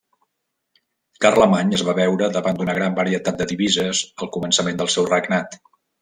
Carlemany es va veure davant d'una gran varietat de divises al començament del seu regnat.